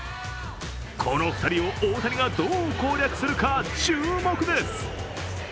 この２人を大谷がどう攻略するか注目です。